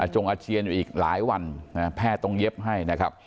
อจงอเชียนอยู่อีกหลายวันแพทย์ต้องเย็บให้